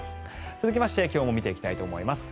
続きまして気温も見ていきたいと思います。